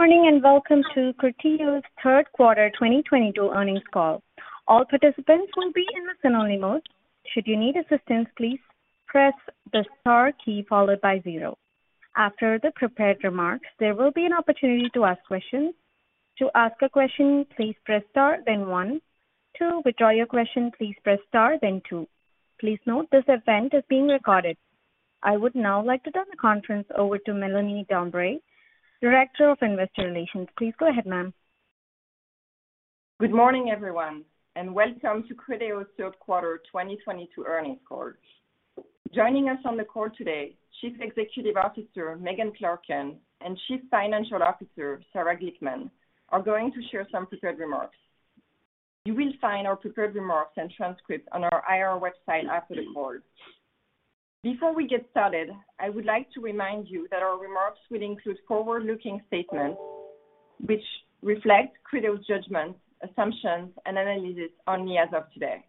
Good morning and welcome to Criteo's Third Quarter 2022 Earnings Call. All participants will be in the listen-only mode. Should you need assistance, please press the star key followed by zero. After the prepared remarks, there will be an opportunity to ask questions. To ask a question, please press star, then one. To withdraw your question, please press star then two. Please note this event is being recorded. I would now like to turn the conference over to Melanie Dambre, Director of Investor Relations. Please go ahead, ma'am. Good morning, everyone, and welcome to Criteo's Third Quarter 2022 Earnings Call. Joining us on the call today, Chief Executive Officer Megan Clarken and Chief Financial Officer Sarah Glickman are going to share some prepared remarks. You will find our prepared remarks and transcripts on our IR website after the call. Before we get started, I would like to remind you that our remarks will include forward-looking statements which reflect Criteo's judgments, assumptions, and analyses only as of today.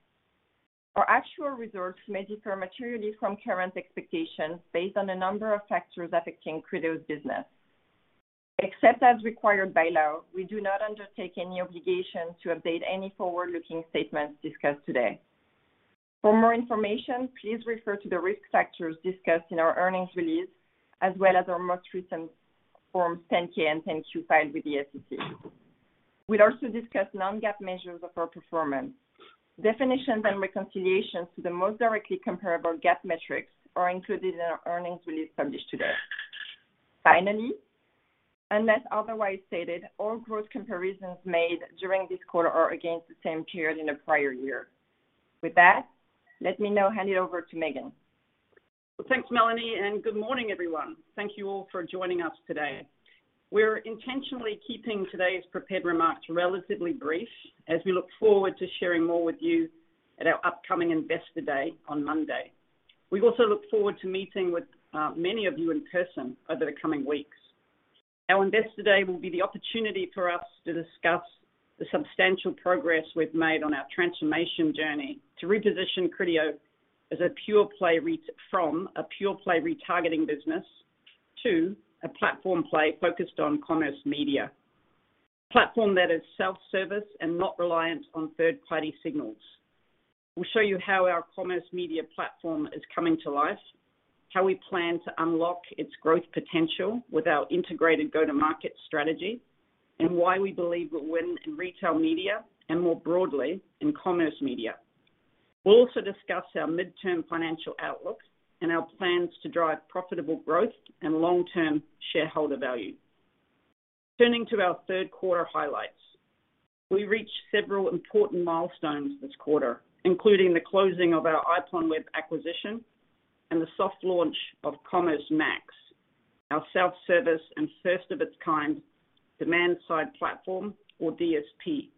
Our actual results may differ materially from current expectations based on a number of factors affecting Criteo's business. Except as required by law, we do not undertake any obligation to update any forward-looking statements discussed today. For more information, please refer to the risk factors discussed in our earnings release as well as our most recent forms 10-K and 10-Q filed with the SEC. We'll also discuss non-GAAP measures of our performance. Definitions and reconciliations to the most directly comparable GAAP metrics are included in our earnings release published today. Finally, unless otherwise stated, all growth comparisons made during this call are against the same period in the prior year. With that, let me now hand it over to Megan. Well, thanks, Melanie, and good morning, everyone. Thank you all for joining us today. We're intentionally keeping today's prepared remarks relatively brief as we look forward to sharing more with you at our upcoming Investor Day on Monday. We also look forward to meeting with many of you in person over the coming weeks. Our Investor Day will be the opportunity for us to discuss the substantial progress we've made on our transformation journey to reposition Criteo from a pure play retargeting business to a platform play focused on commerce media. Platform that is self-service and not reliant on third-party signals. We'll show you how our commerce media platform is coming to life, how we plan to unlock its growth potential with our integrated go-to-market strategy, and why we believe we'll win in retail media and more broadly in commerce media. We'll also discuss our midterm financial outlook and our plans to drive profitable growth and long-term shareholder value. Turning to our third quarter highlights. We reached several important milestones this quarter, including the closing of our IPONWEB acquisition and the soft launch of Commerce Max, our self-service and first of its kind Demand-Side Platform or DSP.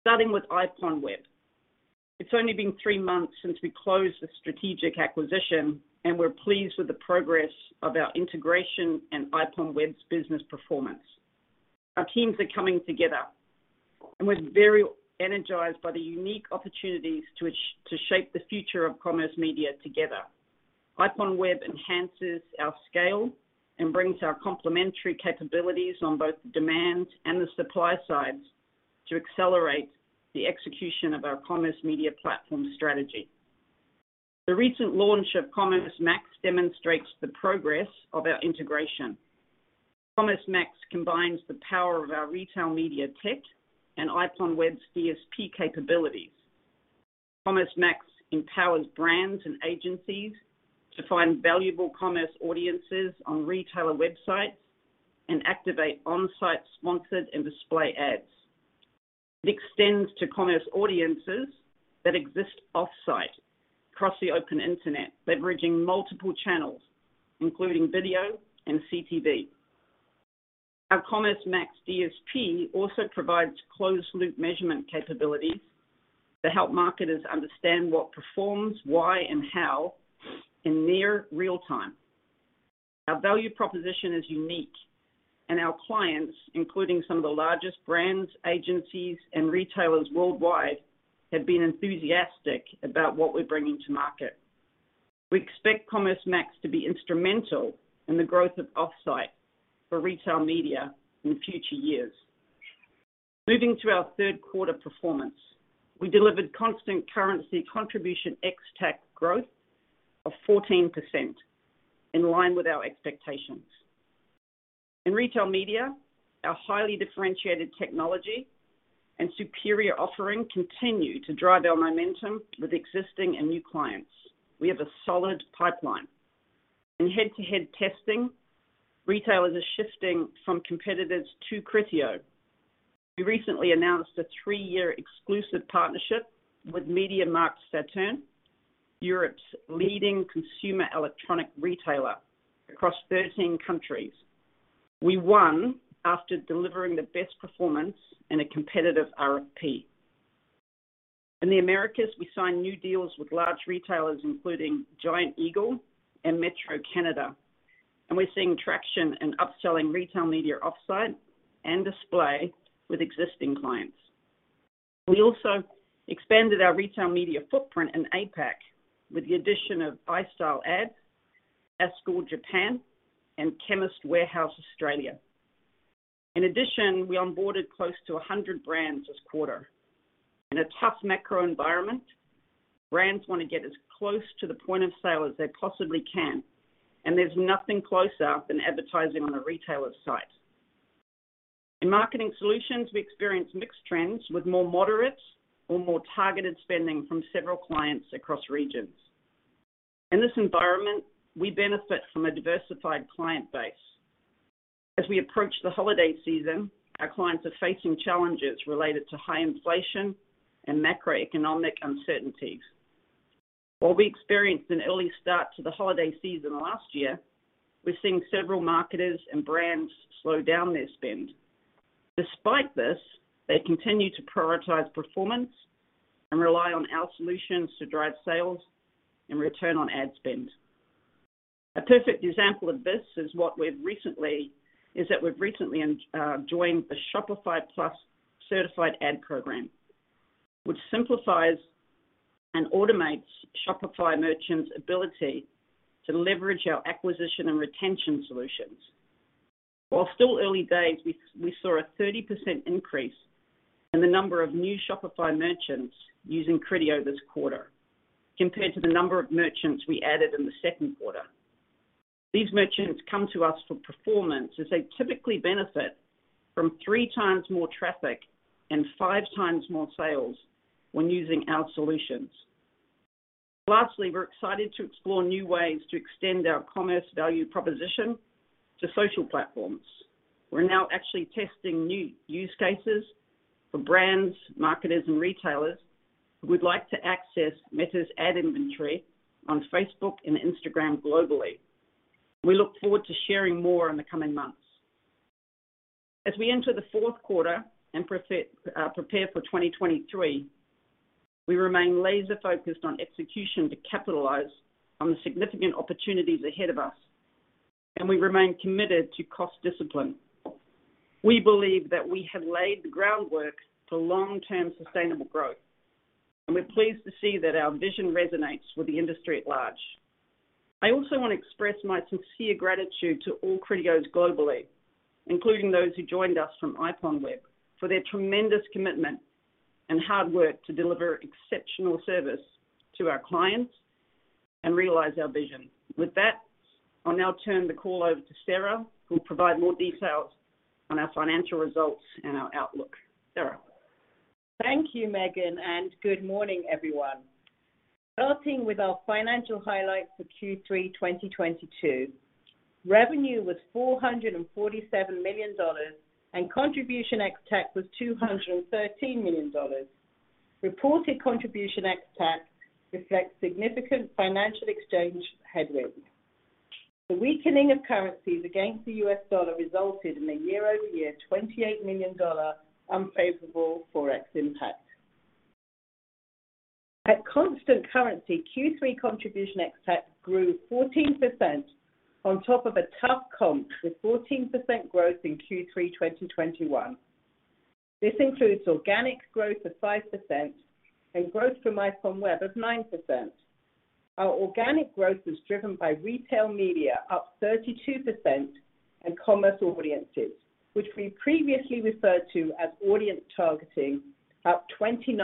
Starting with IPONWEB. It's only been three months since we closed the strategic acquisition, and we're pleased with the progress of our integration and IPONWEB's business performance. Our teams are coming together, and we're very energized by the unique opportunities to shape the future of commerce media together. IPONWEB enhances our scale and brings our complementary capabilities on both the demand and the supply sides to accelerate the execution of our commerce media platform strategy. The recent launch of Commerce Max demonstrates the progress of our integration. Commerce Max combines the power of our retail media tech and IPONWEB's DSP capabilities. Commerce Max empowers brands and agencies to find valuable commerce audiences on retailer websites and activate on-site sponsored and display ads. It extends to commerce audiences that exist off-site across the open internet, leveraging multiple channels, including video and CTV. Our Commerce Max DSP also provides closed-loop measurement capabilities to help marketers understand what performs, why, and how in near real-time. Our value proposition is unique and our clients, including some of the largest brands, agencies, and retailers worldwide, have been enthusiastic about what we're bringing to market. We expect Commerce Max to be instrumental in the growth of off-site for retail media in future years. Moving to our third quarter performance. We delivered constant currency contribution ex-TAC growth of 14%, in line with our expectations. In retail media, our highly differentiated technology and superior offering continue to drive our momentum with existing and new clients. We have a solid pipeline. In head-to-head testing, retailers are shifting from competitors to Criteo. We recently announced a three-year exclusive partnership with MediaMarktSaturn, Europe's leading consumer electronic retailer across 13 countries. We won after delivering the best performance in a competitive RFP. In the Americas, we signed new deals with large retailers including Giant Eagle and Metro Canada, and we're seeing traction in upselling retail media off-site and display with existing clients. We also expanded our retail media footprint in APAC with the addition of iStyle, ASKUL Japan, and Chemist Warehouse Australia. In addition, we onboarded close to 100 brands this quarter. In a tough macro environment, brands wanna get as close to the point of sale as they possibly can, and there's nothing closer than advertising on a retailer site. In marketing solutions, we experienced mixed trends with more moderate or more targeted spending from several clients across regions. In this environment, we benefit from a diversified client base. As we approach the holiday season, our clients are facing challenges related to high inflation and macroeconomic uncertainties. While we experienced an early start to the holiday season last year, we're seeing several marketers and brands slow down their spend. Despite this, they continue to prioritize performance and rely on our solutions to drive sales and return on ad spend. A perfect example of this is that we've recently joined the Shopify Plus certified ad program, which simplifies and automates Shopify merchants' ability to leverage our acquisition and retention solutions. While still early days, we saw a 30% increase in the number of new Shopify merchants using Criteo this quarter compared to the number of merchants we added in the second quarter. These merchants come to us for performance as they typically benefit from 3x more traffic and 5x more sales when using our solutions. Lastly, we're excited to explore new ways to extend our commerce value proposition to social platforms. We're now actually testing new use cases for brands, marketers, and retailers who would like to access Meta's ad inventory on Facebook and Instagram globally. We look forward to sharing more in the coming months. As we enter the fourth quarter and prepare for 2023, we remain laser-focused on execution to capitalize on the significant opportunities ahead of us, and we remain committed to cost discipline. We believe that we have laid the groundwork for long-term sustainable growth, and we're pleased to see that our vision resonates with the industry at large. I also wanna express my sincere gratitude to all Criteos globally, including those who joined us from IPONWEB, for their tremendous commitment and hard work to deliver exceptional service to our clients and realize our vision. With that, I'll now turn the call over to Sarah, who'll provide more details on our financial results and our outlook. Sarah. Thank you, Megan, and good morning, everyone. Starting with our financial highlights for Q3 2022. Revenue was $447 million, and contribution ex-TAC was $213 million. Reported contribution ex-TAC reflects significant foreign exchange headwinds. The weakening of currencies against the U.S. dollar resulted in a year-over-year $28 million unfavorable Forex impact. At constant currency, Q3 contribution ex-TAC grew 14% on top of a tough comp with 14% growth in Q3 2021. This includes organic growth of 5% and growth from IPONWEB of 9%. Our organic growth was driven by retail media, up 32%, and Commerce Audiences, which we previously referred to as audience targeting, up 29%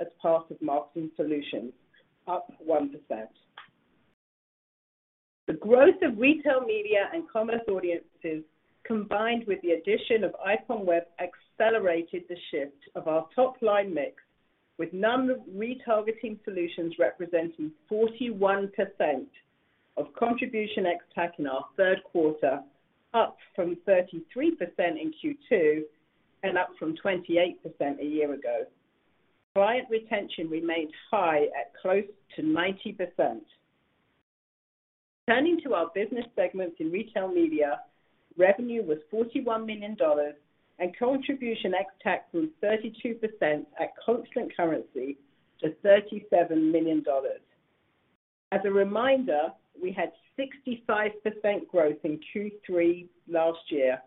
as part of marketing solutions, up 1%. The growth of retail media and Commerce Audiences, combined with the addition of IPONWEB, accelerated the shift of our top-line mix, with non-retargeting solutions representing 41% of contribution ex-TAC in our third quarter, up from 33% in Q2, and up from 28% a year ago. Client retention remains high at close to 90%. Turning to our business segments in retail media, revenue was $41 million and contribution ex-TAC from 32% at constant currency to $37 million. As a reminder, we had 65% growth in Q3 last year,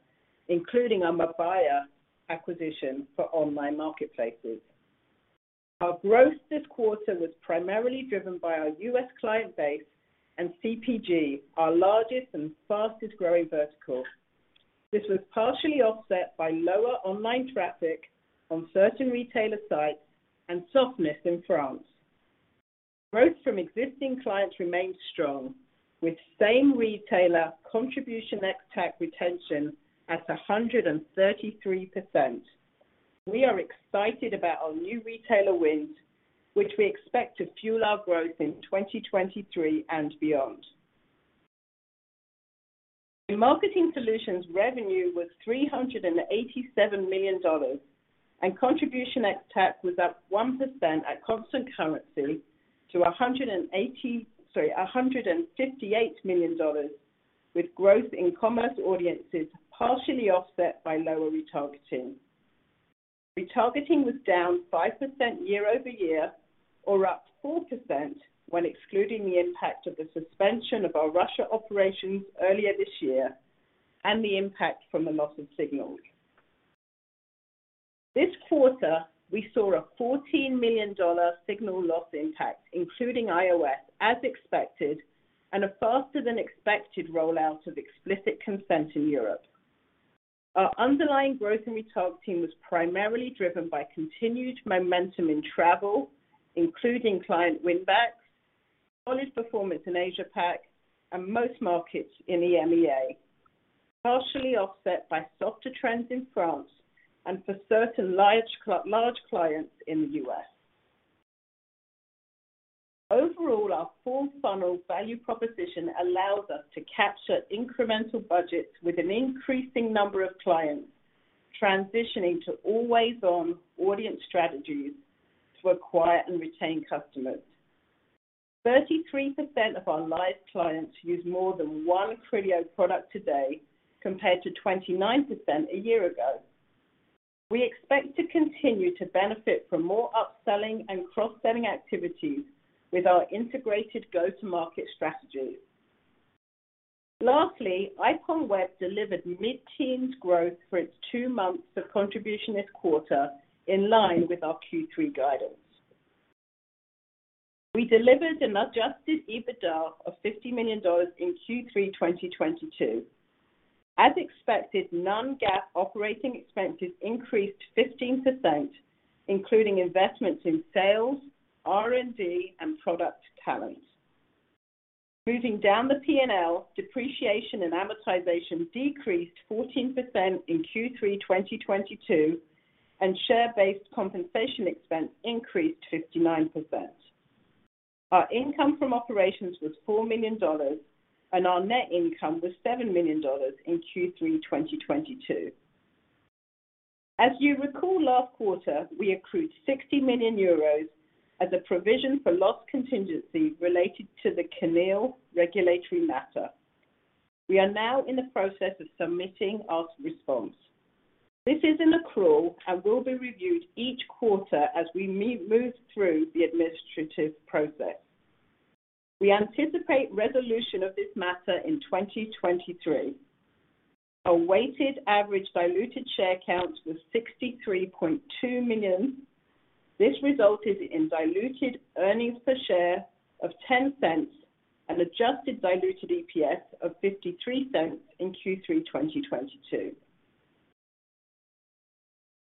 including our Mabaya acquisition for online marketplaces. Our growth this quarter was primarily driven by our U.S. client base and CPG, our largest and fastest-growing vertical. This was partially offset by lower online traffic on certain retailer sites and softness in France. Growth from existing clients remained strong, with same retailer contribution ex-TAC retention at 133%. We are excited about our new retailer wins, which we expect to fuel our growth in 2023 and beyond. In marketing solutions, revenue was $387 million, and contribution ex-TAC was up 1% at constant currency to $158 million, with growth in Commerce Audiences partially offset by lower retargeting. Retargeting was down 5% year-over-year or up 4% when excluding the impact of the suspension of our Russia operations earlier this year and the impact from the loss of signals. This quarter, we saw a $14 million signal loss impact, including iOS, as expected, and a faster than expected rollout of explicit consent in Europe. Our underlying growth in retargeting was primarily driven by continued momentum in travel, including client win backs, solid performance in Asia Pac and most markets in EMEA, partially offset by softer trends in France and for certain large clients in the U.S. Overall, our full funnel value proposition allows us to capture incremental budgets with an increasing number of clients transitioning to always-on audience strategies to acquire and retain customers. 33% of our live clients use more than one Criteo product today, compared to 29% a year ago. We expect to continue to benefit from more upselling and cross-selling activities with our integrated go-to-market strategy. Lastly, IPONWEB delivered mid-teens growth for its two months of contribution this quarter, in line with our Q3 guidance. We delivered an Adjusted EBITDA of $50 million in Q3 2022. As expected, non-GAAP operating expenses increased 15%, including investments in sales, R&D, and product talent. Moving down the P&L, depreciation and amortization decreased 14% in Q3 2022, and share-based compensation expense increased 59%. Our income from operations was $4 million, and our net income was $7 million in Q3 2022. As you recall, last quarter, we accrued 60 million euros as a provision for loss contingency related to the CNIL regulatory matter. We are now in the process of submitting our response. This is an accrual and will be reviewed each quarter as we move through the administrative process. We anticipate resolution of this matter in 2023. Our weighted average diluted share count was 63.2 million. This resulted in diluted earnings per share of $0.10 and adjusted diluted EPS of $0.53 in Q3 2022.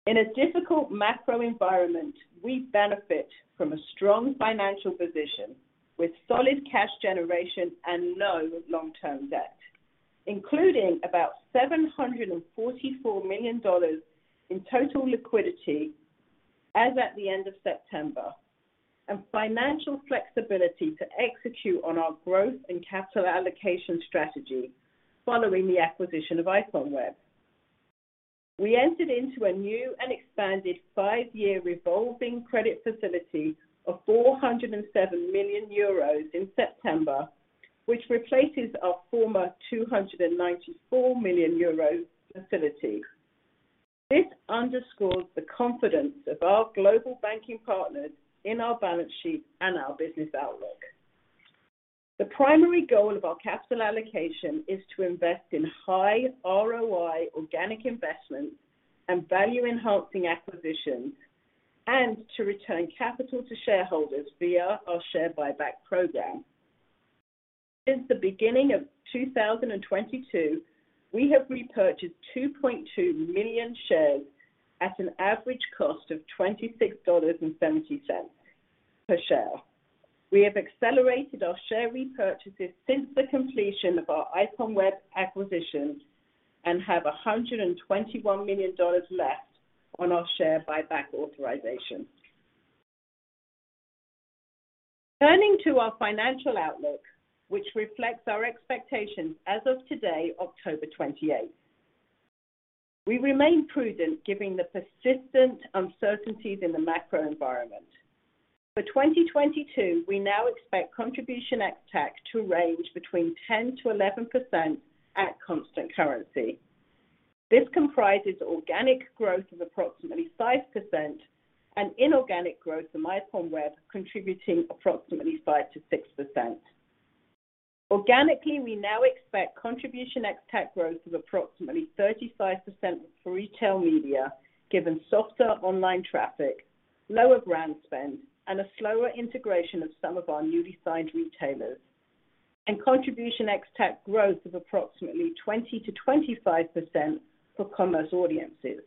In a difficult macro environment, we benefit from a strong financial position with solid cash generation and no long-term debt, including about $744 million in total liquidity as at the end of September, and financial flexibility to execute on our growth and capital allocation strategy following the acquisition of IPONWEB. We entered into a new and expanded five-year revolving credit facility of 407 million euros in September, which replaces our former 294 million euro facility. This underscores the confidence of our global banking partners in our balance sheet and our business outlook. The primary goal of our capital allocation is to invest in high ROI organic investments and value-enhancing acquisitions, and to return capital to shareholders via our share buyback program. Since the beginning of 2022, we have repurchased 2.2 million shares at an average cost of $26.70 per share. We have accelerated our share repurchases since the completion of our IPONWEB acquisitions and have $121 million left on our share buyback authorization. Turning to our financial outlook, which reflects our expectations as of today, October 28. We remain prudent given the persistent uncertainties in the macro environment. For 2022, we now expect contribution ex-TAC to range between 10%-11% at constant currency. This comprises organic growth of approximately 5% and inorganic growth from IPONWEB contributing approximately 5%-6%. Organically, we now expect contribution ex-TAC growth of approximately 35% for retail media, given softer online traffic, lower brand spend, and a slower integration of some of our newly signed retailers. Contribution ex-TAC growth of approximately 20%-25% for Commerce Audiences.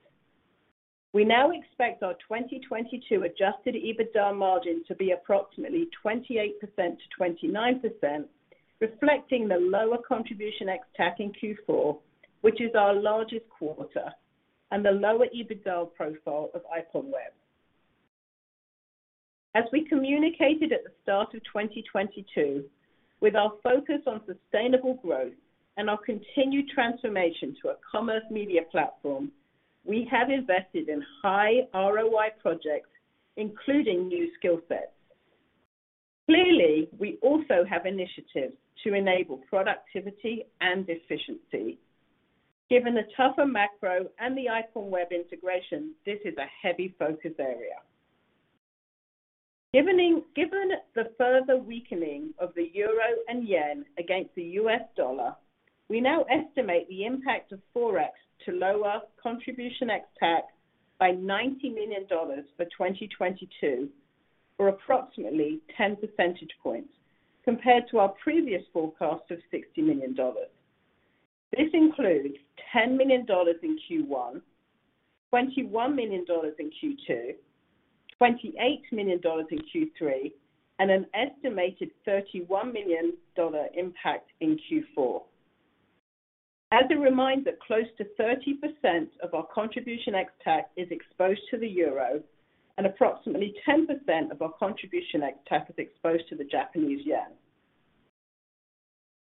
We now expect our 2022 Adjusted EBITDA margin to be approximately 28%-29%, reflecting the lower contribution ex-TAC in Q4, which is our largest quarter, and the lower EBITDA profile of IPONWEB. As we communicated at the start of 2022, with our focus on sustainable growth and our continued transformation to a commerce media platform, we have invested in high ROI projects, including new skill sets. Clearly, we also have initiatives to enable productivity and efficiency. Given the tougher macro and the IPONWEB integration, this is a heavy focus area. Given the further weakening of the euro and yen against the U.S. dollar, we now estimate the impact of forex to lower contribution ex-TAC by $90 million for 2022, or approximately 10 percentage points compared to our previous forecast of $60 million. This includes $10 million in Q1, $21 million in Q2, $28 million in Q3, and an estimated $31 million impact in Q4. As a reminder, close to 30% of our contribution ex-TAC is exposed to the euro and approximately 10% of our contribution ex-TAC is exposed to the Japanese yen.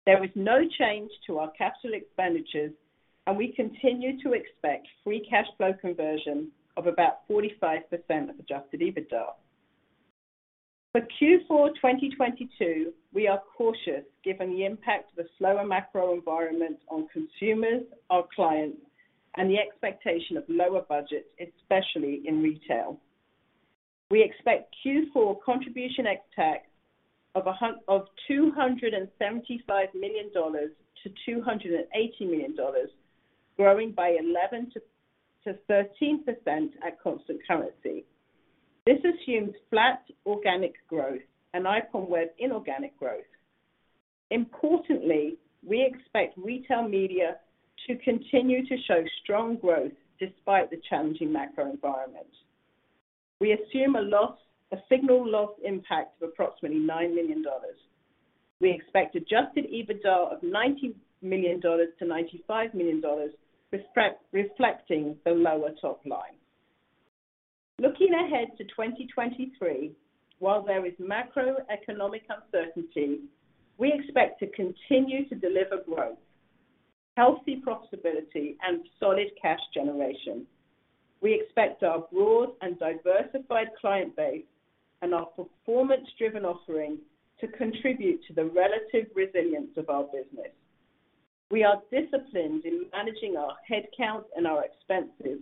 There was no change to our capital expenditures, and we continue to expect free cash flow conversion of about 45% of Adjusted EBITDA. For Q4 2022, we are cautious given the impact of a slower macro environment on consumers, our clients, and the expectation of lower budgets, especially in retail. We expect Q4 contribution ex-TAC of $275 million-$280 million, growing by 11%-13% at constant currency. This assumes flat organic growth and IPONWEB inorganic growth. Importantly, we expect retail media to continue to show strong growth despite the challenging macro environment. We assume a signal loss impact of approximately $9 million. We expect Adjusted EBITDA of $90 million-$95 million, reflecting the lower top line. Looking ahead to 2023, while there is macroeconomic uncertainty, we expect to continue to deliver growth, healthy profitability and solid cash generation. We expect our broad and diversified client base and our performance-driven offering to contribute to the relative resilience of our business. We are disciplined in managing our headcount and our expenses,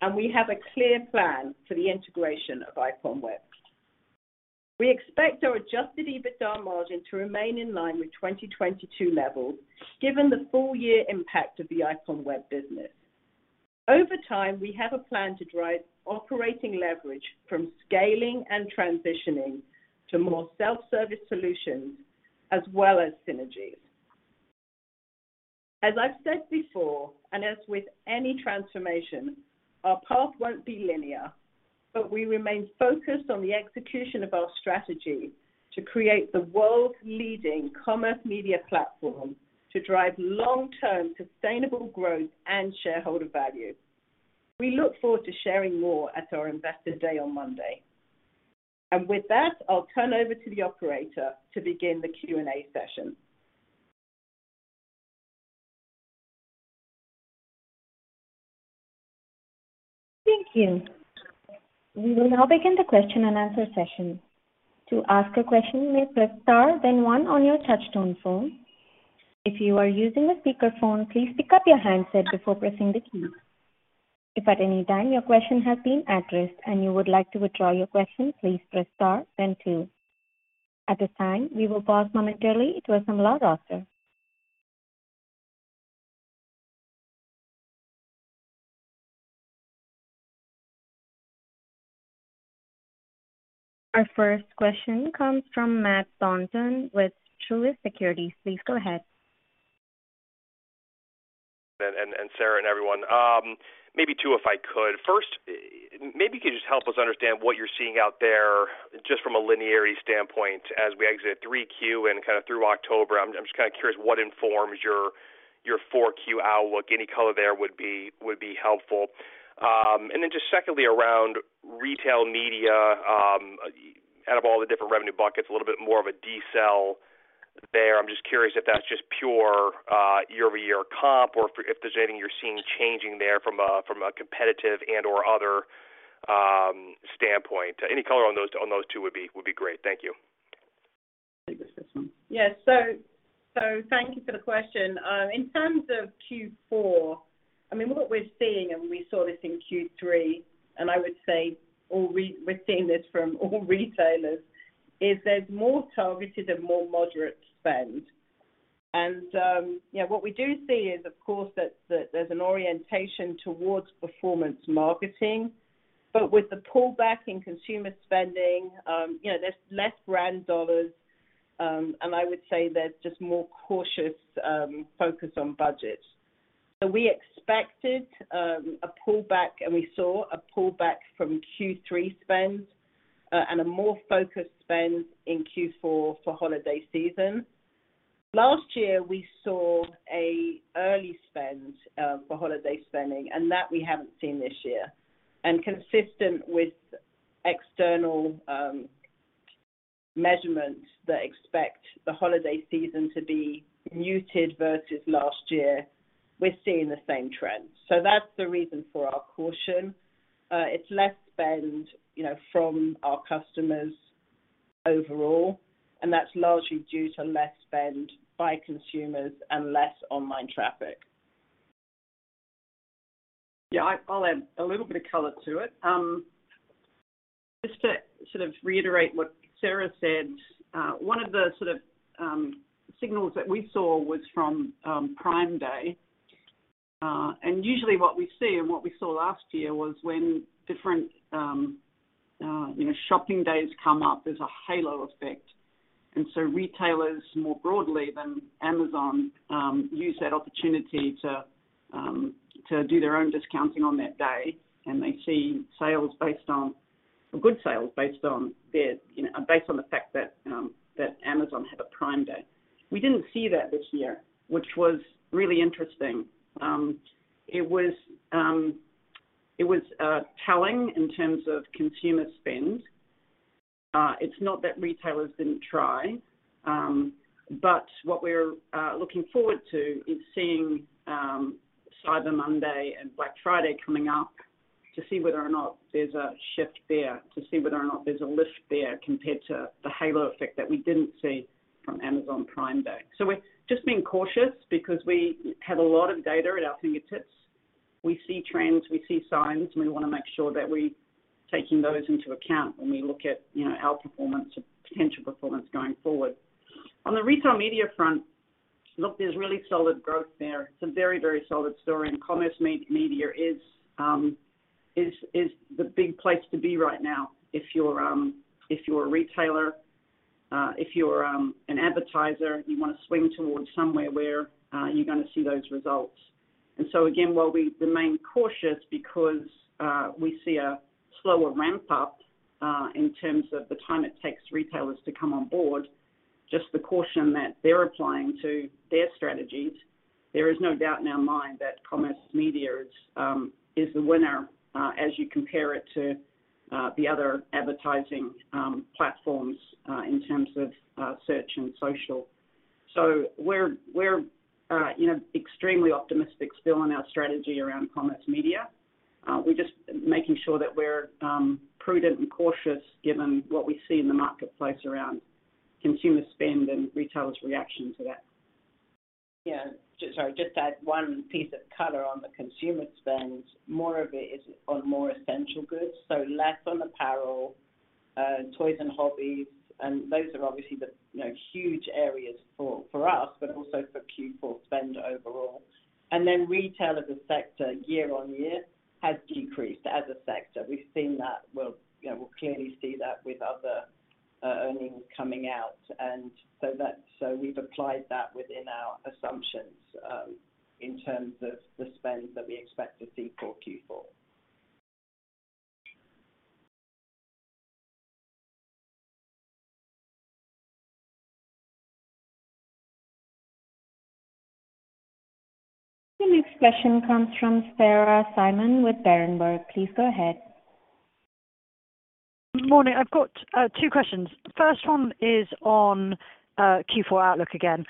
and we have a clear plan for the integration of IPONWEB. We expect our Adjusted EBITDA margin to remain in line with 2022 levels, given the full year impact of the IPONWEB business. Over time, we have a plan to drive operating leverage from scaling and transitioning to more self-service solutions as well as synergies. As I've said before, and as with any transformation, our path won't be linear, but we remain focused on the execution of our strategy to create the world's leading commerce media platform to drive long-term sustainable growth and shareholder value. We look forward to sharing more at our Investor Day on Monday. With that, I'll turn over to the operator to begin the Q&A session. Thank you. We will now begin the question and answer session. To ask a question, you may press Star, then one on your touchtone phone. If you are using a speakerphone, please pick up your handset before pressing the key. If at any time your question has been addressed and you would like to withdraw your question, please press Star then two. At this time, we will pause momentarily to assemble our roster. Our first question comes from Matt Thornton with Truist Securities. Please go ahead. Sarah and everyone, maybe two if I could. First, maybe you could just help us understand what you're seeing out there just from a linearity standpoint as we exit Q3 and kind of through October. I'm just kind of curious what informs your Q4 outlook. Any color there would be helpful. And then just secondly, around retail media, out of all the different revenue buckets, a little bit more of a decel there. I'm just curious if that's just pure year-over-year comp or if there's anything you're seeing changing there from a competitive and or other standpoint. Any color on those two would be great. Thank you. Thank you for the question. In terms of Q4, I mean, what we're seeing, and we saw this in Q3, and I would say we're seeing this from all retailers is there's more targeted and more moderate spend. What we do see is of course that there's an orientation towards performance marketing. With the pullback in consumer spending, you know, there's less brand dollars, and I would say there's just more cautious focus on budget. We expected a pullback and we saw a pullback from Q3 spend, and a more focused spend in Q4 for holiday season. Last year we saw an early spend for holiday spending and that we haven't seen this year. Consistent with external measurements that expect the holiday season to be muted versus last year, we're seeing the same trend. That's the reason for our caution. It's less spend, you know, from our customers overall, and that's largely due to less spend by consumers and less online traffic. Yeah, I'll add a little bit of color to it. Just to sort of reiterate what Sarah said, one of the sort of signals that we saw was from Prime Day. Usually what we see and what we saw last year was when different you know shopping days come up, there's a halo effect. Retailers more broadly than Amazon use that opportunity to do their own discounting on that day. They see good sales based on their you know based on the fact that Amazon had a Prime Day. We didn't see that this year, which was really interesting. It was telling in terms of consumer spend. It's not that retailers didn't try, but what we're looking forward to is seeing Cyber Monday and Black Friday coming up to see whether or not there's a shift there, to see whether or not there's a lift there compared to the halo effect that we didn't see from Amazon Prime Day. We're just being cautious because we have a lot of data at our fingertips. We see trends, we see signs, and we wanna make sure that we're taking those into account when we look at, you know, our performance or potential performance going forward. On the retail media front, look, there's really solid growth there. It's a very, very solid story, and commerce media is the big place to be right now if you're a retailer. If you're an advertiser, you wanna swing towards somewhere where you're gonna see those results. Again, while we remain cautious because we see a slower ramp-up in terms of the time it takes retailers to come on board, just the caution that they're applying to their strategies, there is no doubt in our mind that commerce media is the winner as you compare it to the other advertising platforms in terms of search and social. We're you know, extremely optimistic still in our strategy around commerce media. We're just making sure that we're prudent and cautious given what we see in the marketplace around consumer spend and retailers' reaction to that. Yeah. Sorry, just add one piece of color on the consumer spend. More of it is on more essential goods, so less on apparel, toys and hobbies. Those are obviously the, you know, huge areas for us, but also for Q4 spend overall. Then retail as a sector year-on-year has decreased as a sector. We've seen that. We'll, you know, clearly see that with other earnings coming out. That's so we've applied that within our assumptions in terms of the spend that we expect to see for Q4. The next question comes from Sarah Simon with Berenberg. Please go ahead. Morning. I've got two questions. First one is on Q4 outlook again.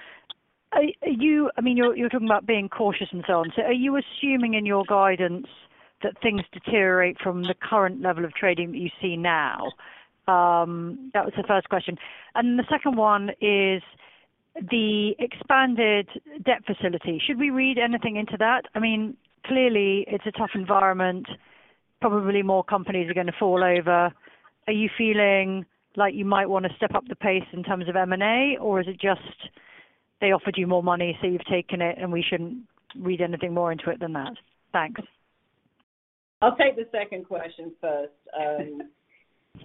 Are you? I mean, you're talking about being cautious and so on. So are you assuming in your guidance that things deteriorate from the current level of trading that you see now? That was the first question. And the second one is the expanded debt facility. Should we read anything into that? I mean, clearly it's a tough environment. Probably more companies are gonna fall over. Are you feeling like you might wanna step up the pace in terms of M&A? Or is it just, they offered you more money, so you've taken it, and we shouldn't read anything more into it than that? Thanks. I'll take the second question first.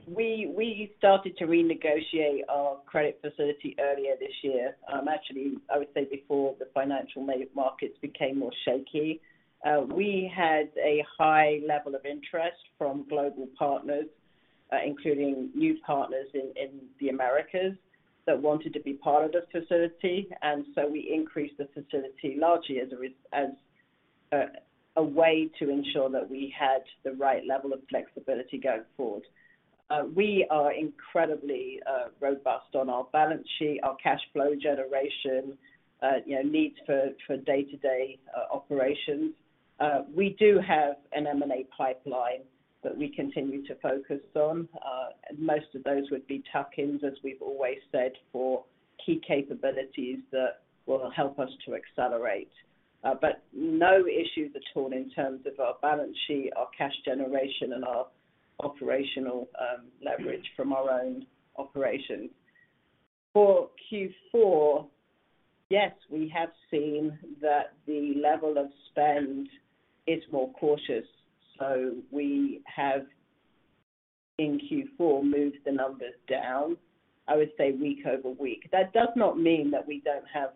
We started to renegotiate our credit facility earlier this year, actually, I would say before the financial markets became more shaky. We had a high level of interest from global partners, including new partners in the Americas that wanted to be part of this facility. We increased the facility largely as a way to ensure that we had the right level of flexibility going forward. We are incredibly robust on our balance sheet, our cash flow generation, you know, needs for day-to-day operations. We do have an M&A pipeline that we continue to focus on. Most of those would be tuck-ins, as we've always said, for key capabilities that will help us to accelerate. No issues at all in terms of our balance sheet, our cash generation, and our operational leverage from our own operations. For Q4, yes, we have seen that the level of spend is more cautious. We have, in Q4, moved the numbers down, I would say week-over-week. That does not mean that we don't have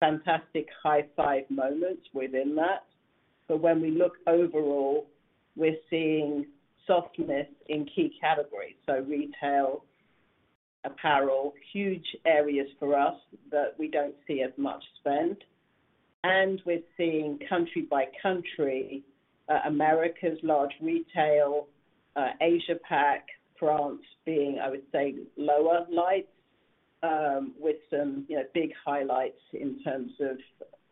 fantastic high-five moments within that. When we look overall, we're seeing softness in key categories, so retail, apparel, huge areas for us that we don't see as much spend. We're seeing country by country, Americas, large retail, Asia Pac, France being, I would say, lower lights, with some, you know, big highlights in terms of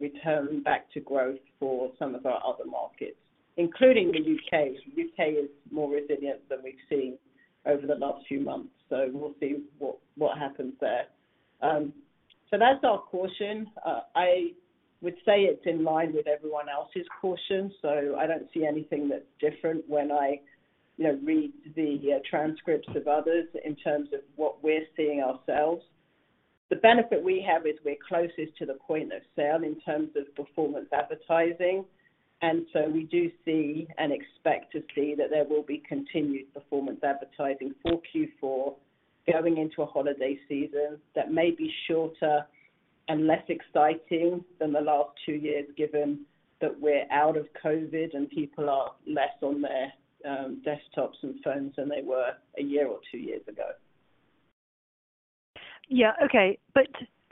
returning back to growth for some of our other markets, including the U.K. U.K. is more resilient than we've seen over the last few months, so we'll see what happens there. That's our caution. I would say it's in line with everyone else's caution, so I don't see anything that's different when I, you know, read the transcripts of others in terms of what we're seeing ourselves. The benefit we have is we're closest to the point of sale in terms of performance advertising, and so we do see and expect to see that there will be continued performance advertising for Q4 going into a holiday season that may be shorter and less exciting than the last two years, given that we're out of COVID and people are less on their desktops and phones than they were a year or two years ago. Yeah. Okay.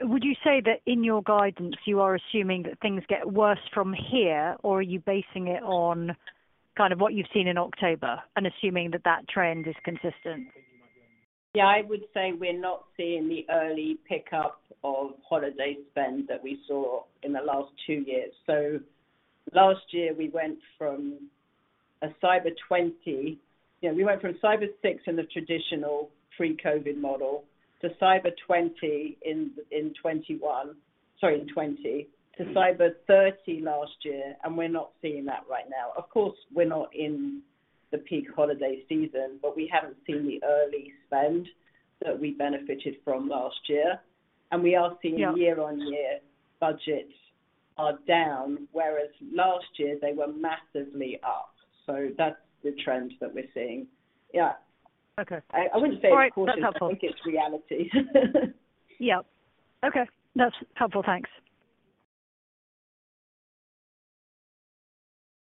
Would you say that in your guidance, you are assuming that things get worse from here, or are you basing it on kind of what you've seen in October and assuming that that trend is consistent? Yeah. I would say we're not seeing the early pickup of holiday spend that we saw in the last two years. Last year we went from Cyber 6 in the traditional pre-COVID model to Cyber 20 in 2020, to Cyber 30 last year, and we're not seeing that right now. Of course, we're not in the peak holiday season, but we haven't seen the early spend that we benefited from last year. We are seeing- Yeah. Year-on-year budgets are down, whereas last year they were massively up. That's the trend that we're seeing. Yeah. Okay. I wouldn't say it's caution. All right. That's helpful. I think it's reality. Yeah. Okay. That's helpful. Thanks.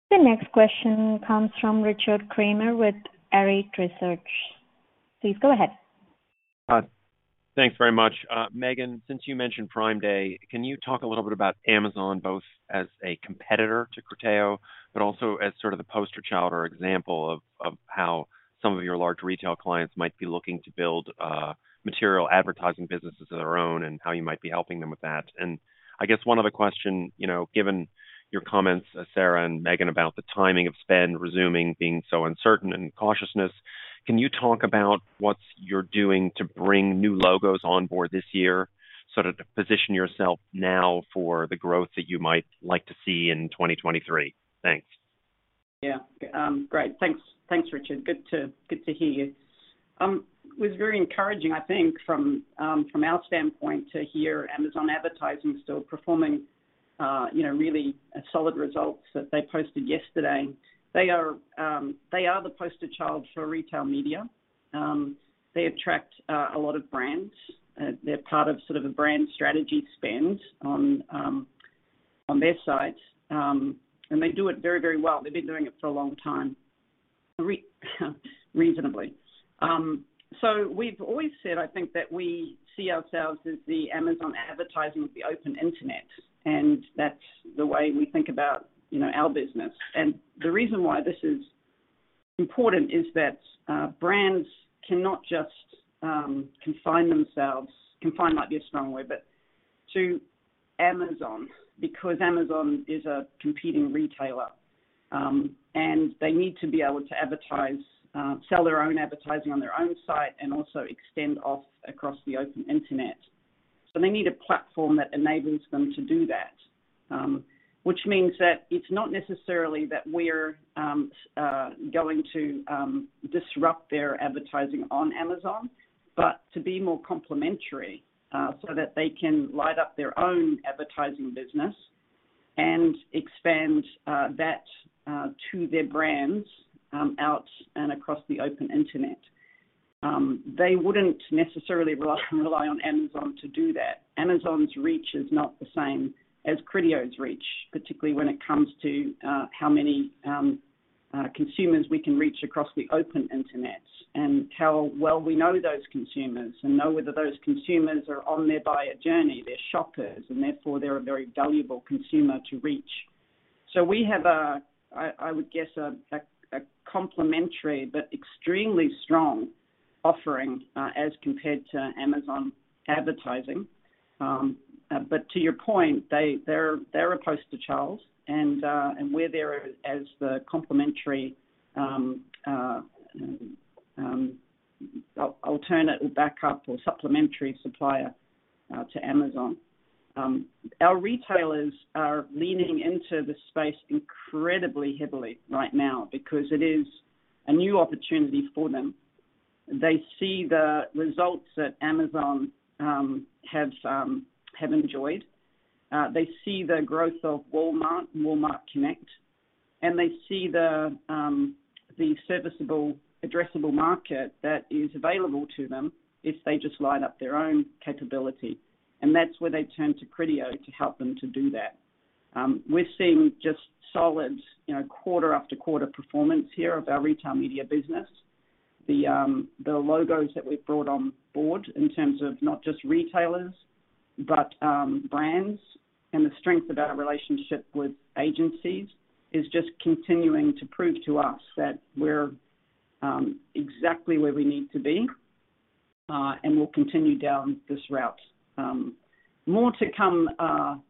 The next question comes from Richard Kramer with Arete Research. Please go ahead. Thanks very much. Megan, since you mentioned Prime Day, can you talk a little bit about Amazon, both as a competitor to Criteo, but also as sort of the poster child or example of how some of your large retail clients might be looking to build material advertising businesses of their own and how you might be helping them with that? I guess one other question, you know, given your comments, Sarah and Megan, about the timing of spend resuming being so uncertain and cautiousness, can you talk about what you're doing to bring new logos on board this year, sort of to position yourself now for the growth that you might like to see in 2023? Thanks. Yeah. Great. Thanks, Richard. Good to hear you. It was very encouraging, I think, from our standpoint to hear Amazon Advertising still performing, you know, really solid results that they posted yesterday. They are the poster child for retail media. They attract a lot of brands. They're part of sort of a brand strategy spend on their side. And they do it very, very well. They've been doing it for a long time reasonably. We've always said, I think that we see ourselves as the Amazon Advertising of the open internet, and that's the way we think about, you know, our business. The reason why this is important is that brands cannot just confine themselves—confine might be a strong way—but to Amazon, because Amazon is a competing retailer, and they need to be able to advertise, sell their own advertising on their own site and also extend off across the open Internet. They need a platform that enables them to do that, which means that it's not necessarily that we're going to disrupt their advertising on Amazon, but to be more complementary, so that they can light up their own advertising business and expand that to their brands out and across the open Internet. They wouldn't necessarily rely on Amazon to do that. Amazon's reach is not the same as Criteo's reach, particularly when it comes to how many consumers we can reach across the open internet and how well we know those consumers and know whether those consumers are on their buyer journey. They're shoppers, and therefore they're a very valuable consumer to reach. We have, I would guess, a complementary but extremely strong offering as compared to Amazon Advertising. But to your point, they're a poster child and we're there as the complementary alternative backup or supplementary supplier to Amazon. Our retailers are leaning into the space incredibly heavily right now because it is a new opportunity for them. They see the results that Amazon have enjoyed. They see the growth of Walmart and Walmart Connect, and they see the serviceable addressable market that is available to them if they just line up their own capability. That's where they turn to Criteo to help them to do that. We're seeing just solid, you know, quarter after quarter performance here of our retail media business. The logos that we've brought on board in terms of not just retailers but brands and the strength of our relationship with agencies is just continuing to prove to us that we're exactly where we need to be, and we'll continue down this route. More to come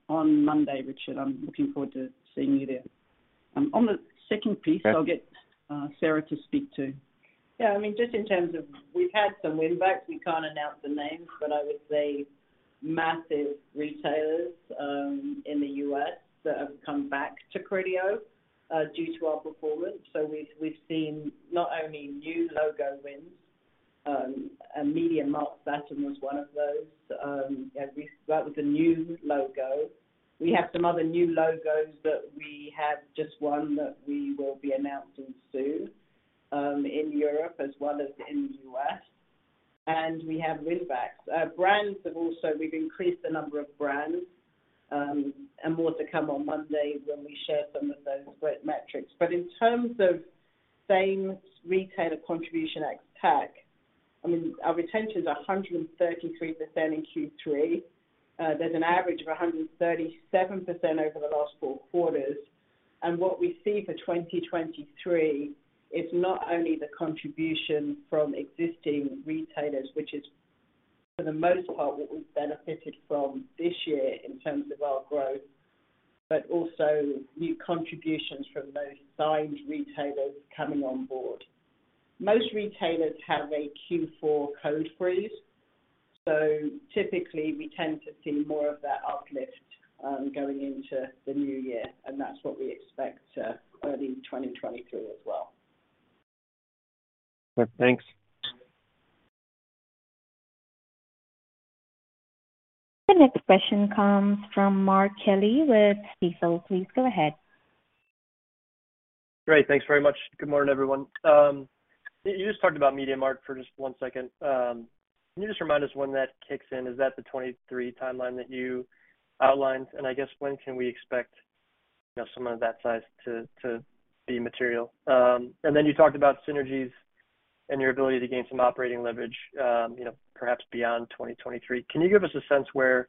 on Monday, Richard. I'm looking forward to seeing you there. On the second piece, I'll get Sarah to speak to. Yeah, I mean, just in terms of we've had some winbacks. We can't announce the names, but I would say massive retailers in the U.S. That have come back to Criteo due to our performance. We've seen not only new logo wins, and MediaMarktSaturn was one of those. Yeah, that was a new logo. We have some other new logos that we have just won that we will be announcing soon in Europe as well as in the U.S. We have winbacks. Brands have also. We've increased the number of brands, and more to come on Monday when we share some of those work metrics. In terms of same retailer contribution ex-TAC, I mean, our retention is 133% in Q3. There's an average of 137% over the last four quarters. What we see for 2023 is not only the contribution from existing retailers, which is for the most part what we've benefited from this year in terms of our growth, but also new contributions from those signed retailers coming on board. Most retailers have a Q4 code freeze, so typically we tend to see more of that uplift going into the new year, and that's what we expect early 2023 as well. Thanks. The next question comes from Mark Kelley with Stifel. Please go ahead. Great. Thanks very much. Good morning, everyone. You just talked about MediaMarkt for just one second. Can you just remind us when that kicks in? Is that the 2023 timeline that you outlined? I guess when can we expect, you know, someone of that size to be material? And then you talked about synergies and your ability to gain some operating leverage, you know, perhaps beyond 2023. Can you give us a sense where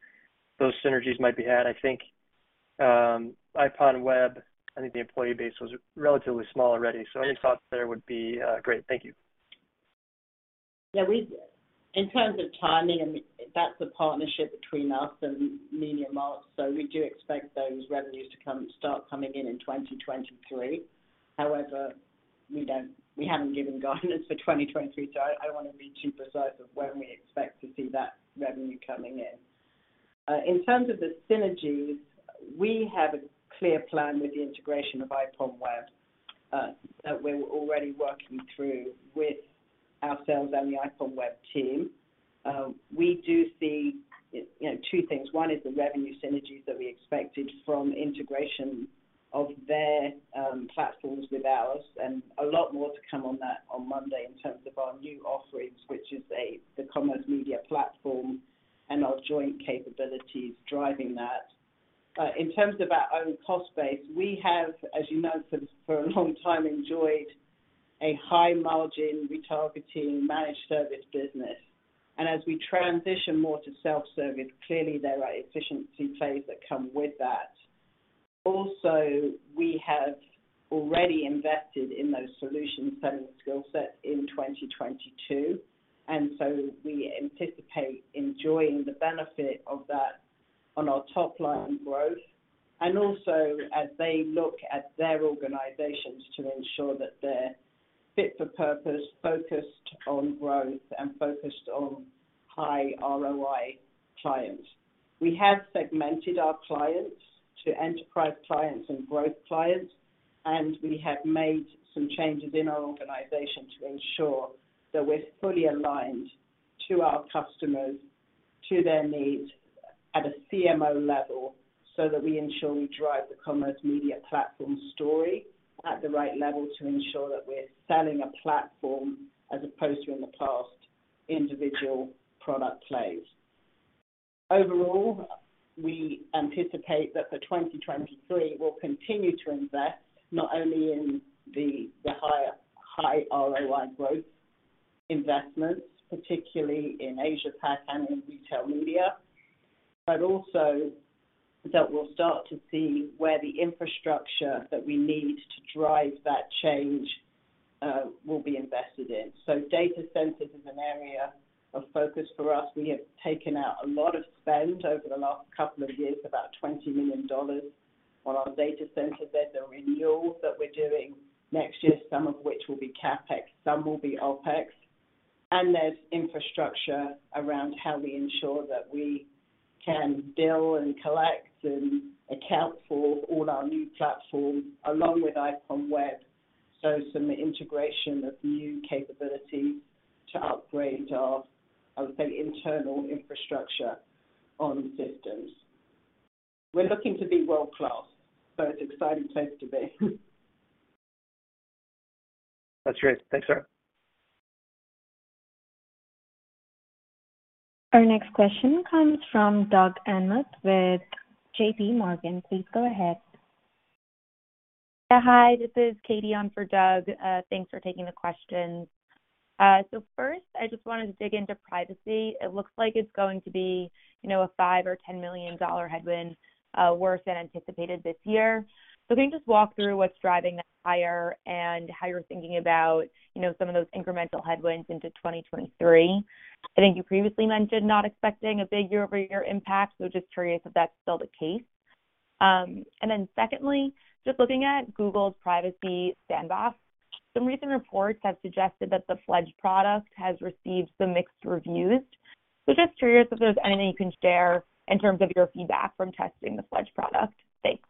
those synergies might be had? I think IPONWEB, I think the employee base was relatively small already. Any thoughts there would be great. Thank you. Yeah. In terms of timing, I mean, that's a partnership between us and MediaMarkt, so we do expect those revenues to start coming in in 2023. However, we haven't given guidance for 2023, so I don't wanna be too precise of when we expect to see that revenue coming in. In terms of the synergies, we have a clear plan with the integration of IPONWEB that we're already working through with ourselves and the IPONWEB team. We do see, you know, two things. One is the revenue synergies that we expected from integration of their platforms with ours, and a lot more to come on that on Monday in terms of our new offerings, which is the commerce media platform and our joint capabilities driving that. In terms of our own cost base, we have, as you know, for a long time, enjoyed a high margin retargeting managed service business. As we transition more to self-service, clearly there are efficiency plays that come with that. Also, we have already invested in those solutions selling skill set in 2022, and so we anticipate enjoying the benefit of that on our top line growth. Also as they look at their organizations to ensure that they're fit for purpose, focused on growth, and focused on high ROI clients. We have segmented our clients to enterprise clients and growth clients, and we have made some changes in our organization to ensure that we're fully aligned to our customers, to their needs at a CMO level, so that we ensure we drive the commerce media platform story at the right level to ensure that we're selling a platform as opposed to in the past individual product plays. Overall, we anticipate that for 2023 we'll continue to invest not only in the higher ROI growth investments, particularly in Asia-Pac and in retail media, but also that we'll start to see where the infrastructure that we need to drive that change will be invested in. Data centers is an area of focus for us. We have taken out a lot of spend over the last couple of years, about $20 million on our data center debt, the renewals that we're doing next year, some of which will be CapEx, some will be OpEx. There's infrastructure around how we ensure that we can bill and collect and account for all our new platforms along with IPONWEB, so some integration of new capability to upgrade our, I would say, internal infrastructure on systems. We're looking to be world-class, so it's an exciting place to be. That's great. Thanks, Sarah. Our next question comes from Doug Anmuth with JPMorgan. Please go ahead. Yeah. Hi, this is Katy on for Doug. Thanks for taking the questions. So first, I just wanted to dig into privacy. It looks like it's going to be, you know, a $5 million or $10 million headwind, worse than anticipated this year. Can you just walk through what's driving that higher and how you're thinking about, you know, some of those incremental headwinds into 2023? I think you previously mentioned not expecting a big year-over-year impact, so just curious if that's still the case. And then secondly, just looking at Google's Privacy Sandbox. Some recent reports have suggested that the FLEDGE product has received some mixed reviews. Just curious if there's anything you can share in terms of your feedback from testing the FLEDGE product. Thanks.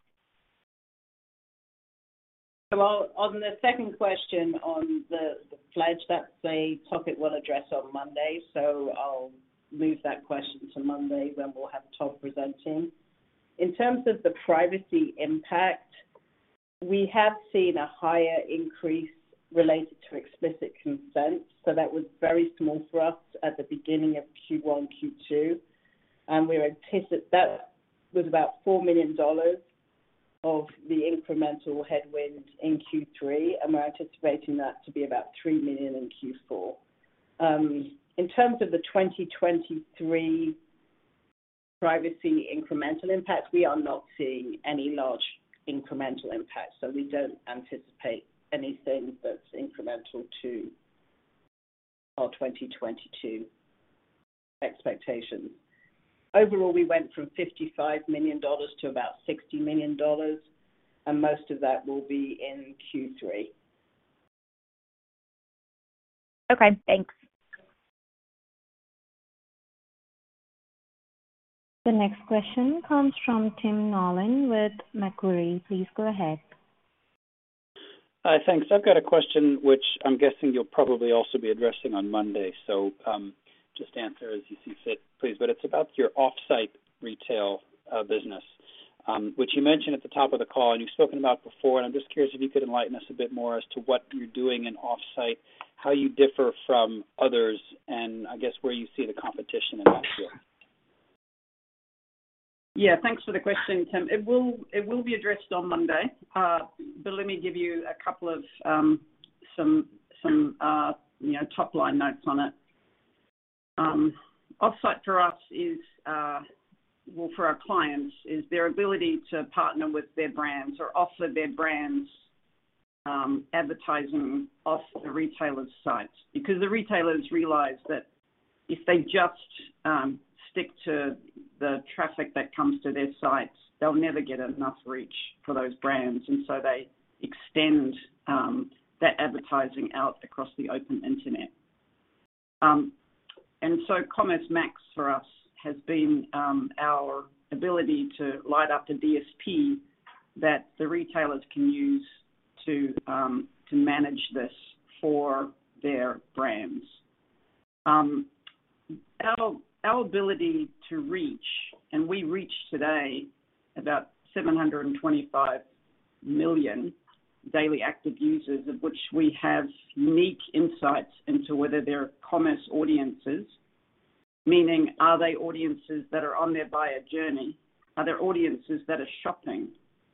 Well, on the second question on the FLEDGE, that's a topic we'll address on Monday, so I'll move that question to Monday when we'll have Tom presenting. In terms of the privacy impact, we have seen a higher increase related to explicit consent. That was very small for us at the beginning of Q1, Q2. We anticipate that was about $4 million of the incremental headwind in Q3, and we're anticipating that to be about $3 million in Q4. In terms of the 2023 privacy incremental impact, we are not seeing any large incremental impact, so we don't anticipate anything that's incremental to our 2022 expectations. Overall, we went from $55 million to about $60 million, and most of that will be in Q3. Okay, thanks. The next question comes from Tim Nollen with Macquarie. Please go ahead. Thanks. I've got a question which I'm guessing you'll probably also be addressing on Monday. Just answer as you see fit, please. It's about your off-site retail business, which you mentioned at the top of the call and you've spoken about before, and I'm just curious if you could enlighten us a bit more as to what you're doing in off-site, how you differ from others, and I guess where you see the competition in that space. Yeah. Thanks for the question, Tim. It will be addressed on Monday. But let me give you a couple of some you know top-line notes on it. Off-site for us is well for our clients is their ability to partner with their brands or offer their brands advertising off the retailers' sites. Because the retailers realize that if they just stick to the traffic that comes to their sites, they'll never get enough reach for those brands. They extend that advertising out across the open internet. Commerce Max for us has been our ability to light up the DSP that the retailers can use to manage this for their brands. Our ability to reach, and we reach today about 725 million daily active users of which we have unique insights into whether they're Commerce Audiences. Meaning, are they audiences that are on their buyer journey? Are they audiences that are shopping,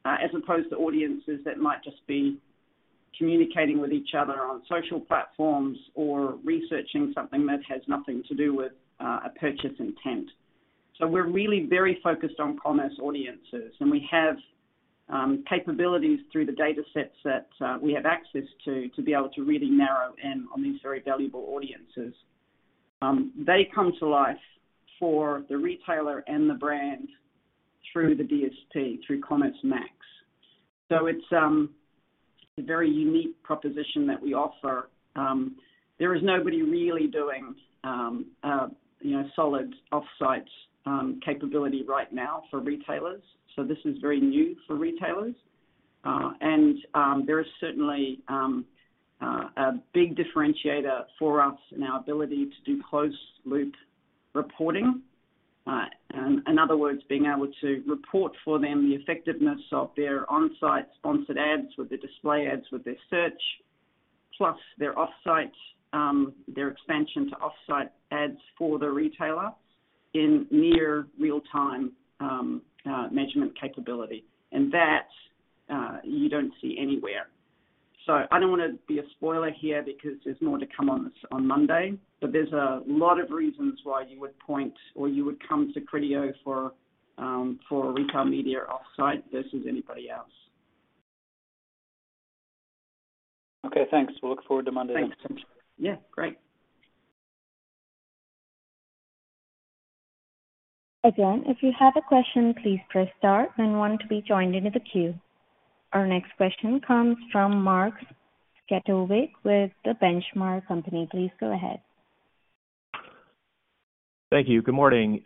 as opposed to audiences that might just be communicating with each other on social platforms or researching something that has nothing to do with a purchase intent. We're really very focused on Commerce Audiences, and we have capabilities through the datasets that we have access to be able to really narrow in on these very valuable audiences. They come to life for the retailer and the brand through the DSP, through Commerce Max. It's a very unique proposition that we offer. There is nobody really doing, you know, solid off-site capability right now for retailers, so this is very new for retailers. There is a big differentiator for us in our ability to do closed-loop reporting. In other words, being able to report for them the effectiveness of their on-site sponsored ads with their display ads, with their search, plus their off-site, their expansion to off-site ads for the retailer in near real-time measurement capability. That you don't see anywhere. I don't wanna be a spoiler here because there's more to come on this on Monday, but there's a lot of reasons why you would point or you would come to Criteo for retail media off-site versus anybody else. Okay, thanks. We'll look forward to Monday. Thanks. Yeah, great. Again, if you have a question, please press star and one to be joined into the queue. Our next question comes from Mark Zgutowicz with The Benchmark Company. Please go ahead. Thank you. Good morning.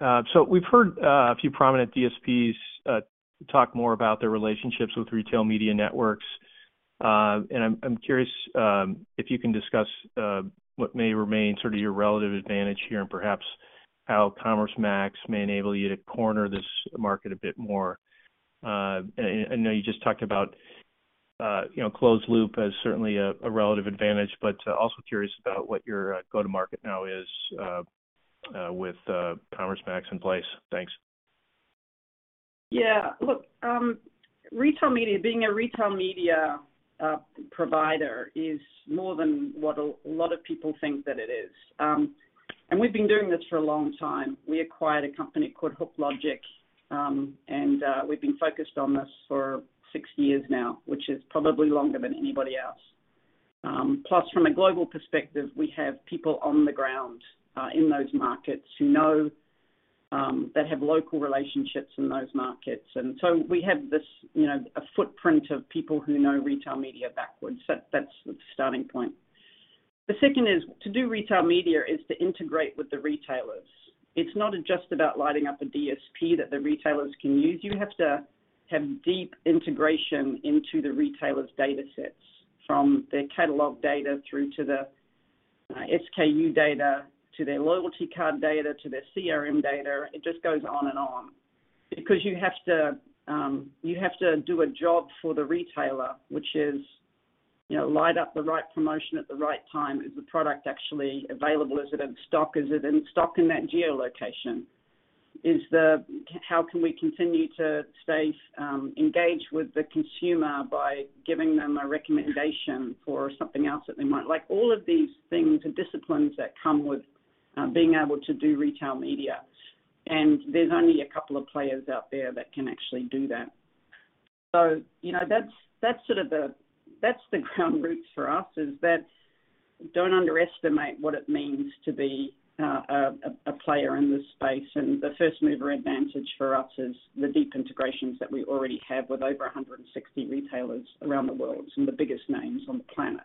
We've heard a few prominent DSPs talk more about their relationships with retail media networks. I'm curious if you can discuss what may remain sort of your relative advantage here, and perhaps how Commerce Max may enable you to corner this market a bit more. I know you just talked about you know, closed loop as certainly a relative advantage, but also curious about what your go-to-market now is with Commerce Max in place. Thanks. Yeah. Look, retail media being a retail media provider is more than what a lot of people think that it is. We've been doing this for a long time. We acquired a company called HookLogic, and we've been focused on this for six years now, which is probably longer than anybody else. Plus from a global perspective, we have people on the ground in those markets who have local relationships in those markets. We have this, you know, a footprint of people who know retail media backwards. That's the starting point. The second is to do retail media is to integrate with the retailers. It's not just about lighting up a DSP that the retailers can use. You have to have deep integration into the retailer's datasets, from their catalog data through to the SKU data, to their loyalty card data, to their CRM data. It just goes on and on. Because you have to do a job for the retailer, which is, you know, light up the right promotion at the right time. Is the product actually available? Is it in stock? Is it in stock in that geolocation? How can we continue to stay engaged with the consumer by giving them a recommendation for something else that they might like? All of these things are disciplines that come with being able to do retail media, and there's only a couple of players out there that can actually do that. You know, that's sort of the- That's the ground rules for us, is that don't underestimate what it means to be a player in this space. The first mover advantage for us is the deep integrations that we already have with over 160 retailers around the world, some of the biggest names on the planet.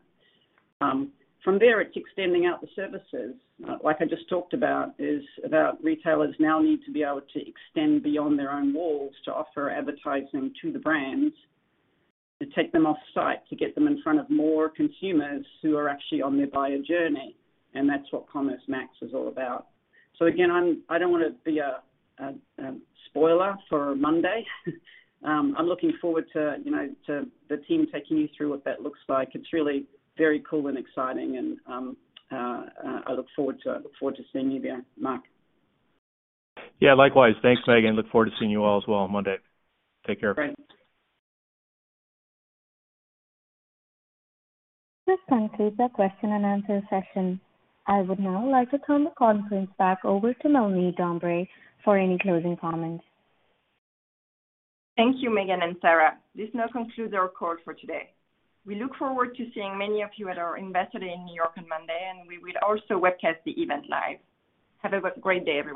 From there, it's extending out the services. Like I just talked about, retailers now need to be able to extend beyond their own walls to offer advertising to the brands, to take them off-site, to get them in front of more consumers who are actually on their buyer journey. That's what Commerce Max is all about. Again, I don't wanna be a spoiler for Monday. I'm looking forward to, you know, to the team taking you through what that looks like. It's really very cool and exciting and I look forward to seeing you there. Mark? Yeah, likewise. Thanks, Megan. Look forward to seeing you all as well on Monday. Take care. Great. This concludes our question and answer session. I would now like to turn the conference back over to Melanie Dambre for any closing comments. Thank you, Megan and Sarah. This now concludes our call for today. We look forward to seeing many of you at our investor day in New York on Monday, and we will also webcast the event live. Have a great day, everybody.